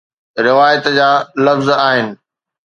روايت جا لفظ آهن